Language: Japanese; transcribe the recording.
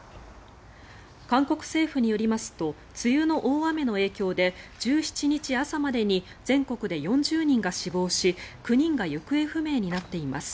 韓国政府によりますと梅雨の大雨の影響で１７日朝までに全国で４０人が死亡し９人が行方不明になっています。